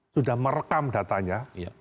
sudah merekam datanya